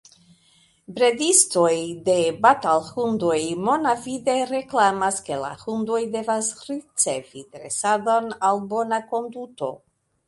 Bredistoj de batalhundoj monavide reklamas, ke la hundoj devas ricevi dresadon al bona konduto.